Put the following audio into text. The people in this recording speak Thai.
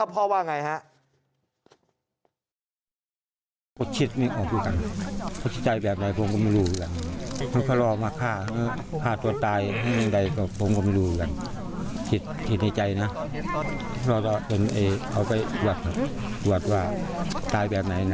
พ่อว่าอย่างไรครับ